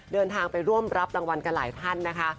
เดินทางไปร่วมรับรางวัลกันหลายท่านนะคะ